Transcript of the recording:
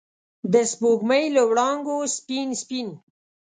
د سپوږمۍ له وړانګو سپین، سپین